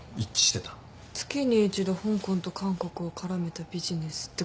月に一度香港と韓国を絡めたビジネスってこと？